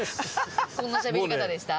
こんなしゃべり方でした？